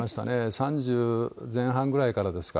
３０前半ぐらいからですか。